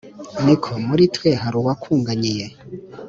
Niko, muri twe hari uwakuganyiye